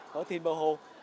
phở thìn bờ hồ